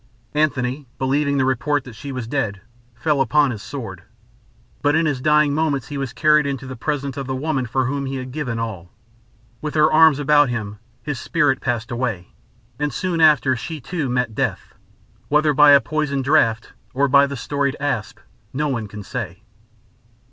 Antony, believing the report that she was dead, fell upon his sword; but in his dying moments he was carried into the presence of the woman for whom he had given all. With her arms about him, his spirit passed away; and soon after she, too, met death, whether by a poisoned draught or by the storied asp no one can say.